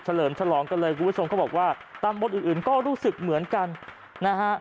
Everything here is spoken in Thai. เลิมฉลองกันเลยคุณผู้ชมเขาบอกว่าตำบลอื่นอื่นก็รู้สึกเหมือนกันนะฮะ